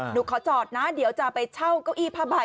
หนูขอจอดนะเดี๋ยวจะไปเช่าเก้าอี้ผ้าใบ